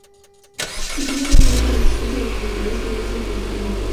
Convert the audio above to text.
Se tiene conocimiento de la existencia de comunidades judías desde tiempos remotos.